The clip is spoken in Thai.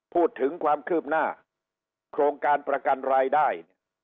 พูดถึงความคืบหน้าโครงการประกันรายได้เนี่ย